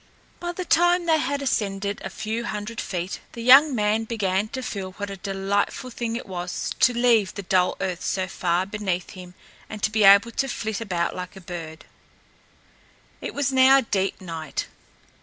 By the time they had ascended a few hundred feet the young man began to feel what a delightful thing it was to leave the dull earth so far beneath him and to be able to flit about like a bird. It was now deep night.